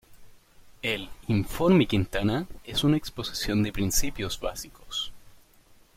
El "Informe Quintana" es una exposición de principios básicos.